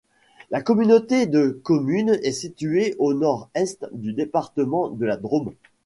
La communauté de communes est située au nord-est du département de la Drôme.